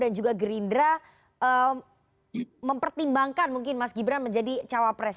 dan juga gerindra mempertimbangkan mungkin mas gibran menjadi cawapres